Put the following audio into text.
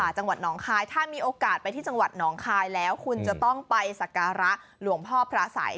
จังหวัดหนองคายถ้ามีโอกาสไปที่จังหวัดหนองคายแล้วคุณจะต้องไปสักการะหลวงพ่อพระสัย